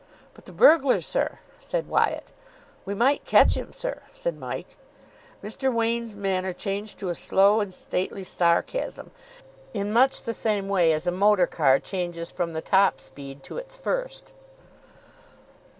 "But the burglar, sir?" said Wyatt. "We might catch him, sir," said Mike. Mr. Wain's manner changed to a slow and stately sarcasm, in much the same way as a motor car changes from the top speed to its first.